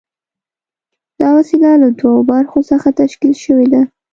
دا وسیله له دوو برخو څخه تشکیل شوې ده.